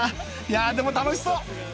いやあでも楽しそう！